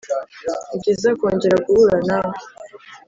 Nibyiza kongera guhura nawe